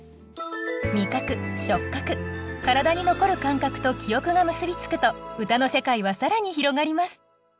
味覚触覚体に残る感覚と記憶が結びつくと歌の世界は更に広がります